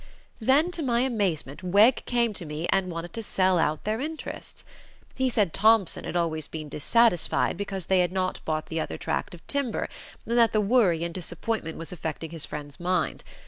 "Then, to my amazement, Wegg came to me and wanted to sell out their interests. He said Thompson had always been dissatisfied because they had not bought the other tract of timber, and that the worry and disappointment was affecting his friend's mind.